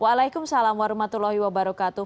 waalaikumsalam warahmatullahi wabarakatuh